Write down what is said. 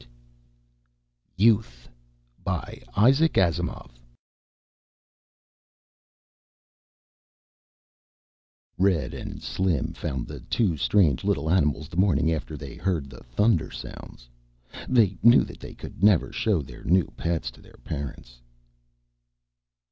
net YOUTH by ISAAC ASIMOV Red and Slim found the two strange little animals the morning after they heard the thunder sounds. They knew that they could never show their new pets to their parents.